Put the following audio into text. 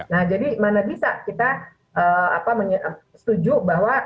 nah jadi mana bisa kita setuju bahwa